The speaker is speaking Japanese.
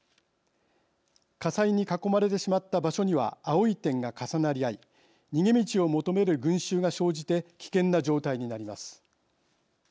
火災に囲まれてしまった場所には青い点が重なり合い逃げ道を求める群衆が生じて危険な状態になります。